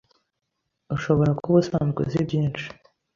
Ushobora kuba usanzwe uzi byinshi